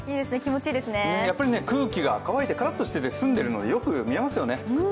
空気が乾いてからっとしてて澄んでるのでよく見えますよね。